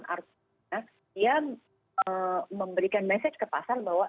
jadi kalau tidak pernah discount artinya dia memberikan message ke pasar bahwa